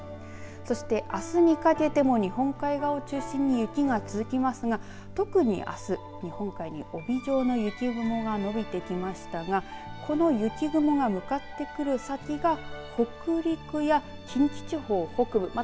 そして、あすにかけても日本海側を中心に雪が続きますが、特にあす日本海側に帯状の雪雲が伸びてきましたがこの雪雲が向かってくる先が北陸や近畿地方北部